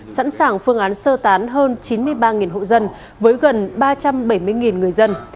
và phương án sơ tán hơn chín mươi ba hộ dân với gần ba trăm bảy mươi người dân